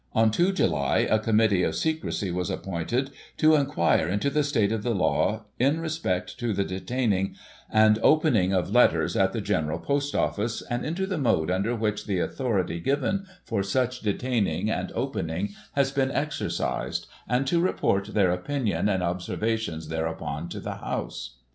On 2 July, a Committee of Secrecy was appointed " to inquire into the state of the Law in respect to the de taining and opening of Letters at the General Post Office, and into the mode under which the authority given for such detaining and opening has been exercised, and to report their opinion and observations thereupon to the House."